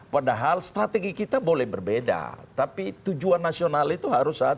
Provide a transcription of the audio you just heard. padahal strategi kita boleh berbeda tapi tujuan nasional itu harus ada